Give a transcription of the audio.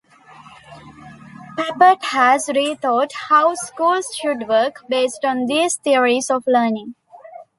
Papert has rethought how schools should work, based on these theories of learning.